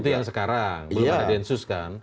itu yang sekarang belum ada densus kan